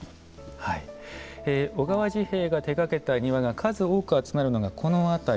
小川治兵衛が手がけた庭が数多く集まるのがこの辺り。